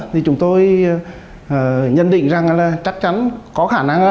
thì chúng tôi nhận định rằng là chắc chắn có khả năng là